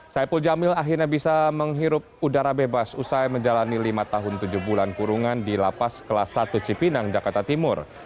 saipul jamil akhirnya bisa menghirup udara bebas usai menjalani lima tahun tujuh bulan kurungan di lapas kelas satu cipinang jakarta timur